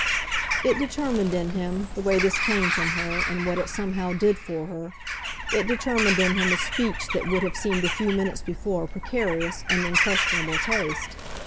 It determined in him, the way this came from her and what it somehow did for her it determined in him a speech that would have seemed a few minutes before precarious and in questionable taste.